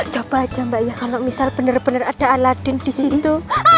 coba aja mbak ya kalau misal bener bener ada aladin disitu